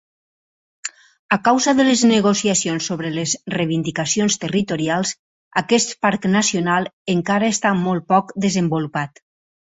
A causa de les negociacions sobre les reivindicacions territorials, aquest parc nacional encara està molt poc desenvolupat.